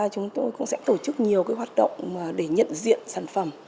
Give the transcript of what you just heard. chúng tôi cũng sẽ tổ chức nhiều hoạt động để nhận diện sản phẩm